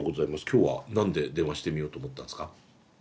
今日は何で電話してみようと思ったんすか？